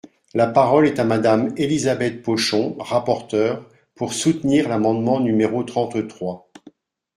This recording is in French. La parole est à Madame Elisabeth Pochon, rapporteure, pour soutenir l’amendement numéro trente-trois.